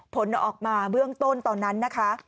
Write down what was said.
ผลออกมาเบื้องต้นตอนนั้นนะคะ